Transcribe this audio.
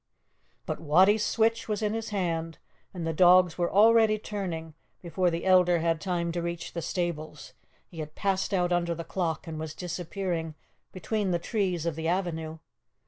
But Wattie's switch was in his hand, and the dogs were already turning; before the elder had time to reach the stables, he had passed out under the clock and was disappearing between the trees of the avenue.